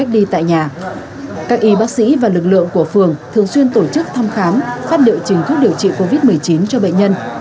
các y bác sĩ và lực lượng của phường thường xuyên tổ chức thăm khám phát liệu trình thuốc điều trị covid một mươi chín cho bệnh nhân